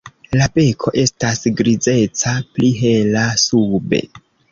La beko estas grizeca, pli hela sube.